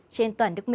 trên toàn nước mỹ